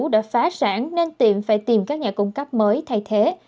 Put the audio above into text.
đã phá sản nên tiệm phải tìm các nhà cung cấp mới thay thế